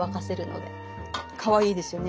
かわいいですよね。